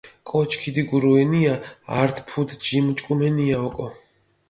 კოჩ ქიდიგურუენია ართ ფუთ ჯიმ ჭკუმენია ოკო.